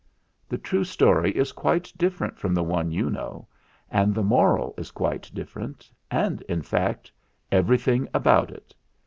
The true story is quite different from the one you know, and the moral is quite different, and, in fact, everything about it.